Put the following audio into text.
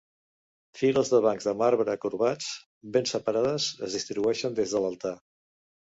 Files de bancs de marbre corbats, ben separades, es distribueixen des de l'altar.